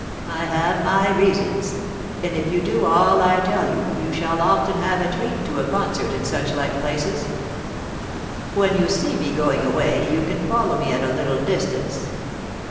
I have my reasons; and if you do all I tell you, you shall often have a treat to a concert and such like places. When you see me going away, you can follow me at a little distance.